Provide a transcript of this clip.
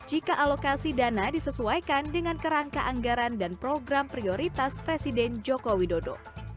jika alokasi dana disesuaikan dengan kerangka anggaran dan program prioritas presiden joko widodo